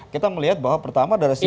kita melihat bahwa pertama dari segi